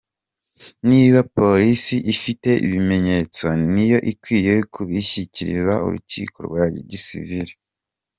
"Niba polisi ifite ibimenyetso, ni yo ikwiye kubishyikiriza urukiko rwa gisivile.